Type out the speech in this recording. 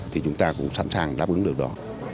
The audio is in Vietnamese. thì chúng ta cũng sẵn sàng đáp ứng được đó